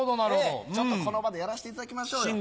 ちょっとこの場でやらせていただきましょうよ。